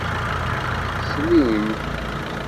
Slin-t.